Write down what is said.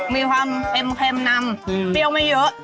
มีความเค็มนำเปรี้ยวไม่เยอะ